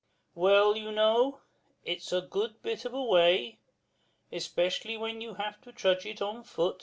Well, you know, it's a good bit of a way, especially when you have to trudge it on foot.